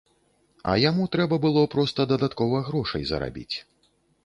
А яму трэба было проста дадаткова грошай зарабіць.